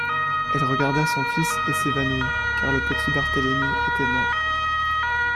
Elle regarda son fils et s’évanouit, car le petit Barthélémy était mort.